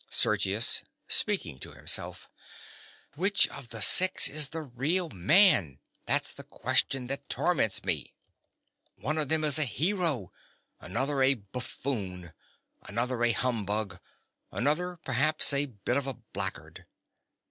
_) SERGIUS. (speaking to himself). Which of the six is the real man?—that's the question that torments me. One of them is a hero, another a buffoon, another a humbug, another perhaps a bit of a blackguard.